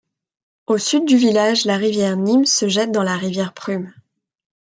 Au sud du village, la rivière Nims se jette dans la rivière Prüm.